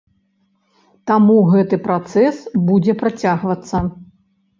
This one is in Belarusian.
Таму гэты працэс будзе працягвацца.